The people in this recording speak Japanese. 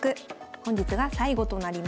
本日が最後となります。